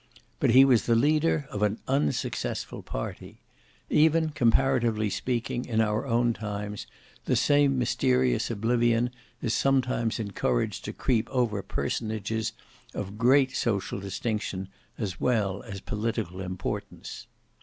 But he was the leader of an unsuccessful party. Even, comparatively speaking, in our own times, the same mysterious oblivion is sometimes encouraged to creep over personages of great social distinction as well as political importance.